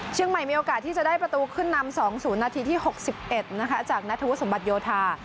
เชียงใหม่มีโอกาสที่จะได้ประตูขึ้นนำ๒ศูนย์นาทีที่๖๑จากนัฐวุสมบัติโยธา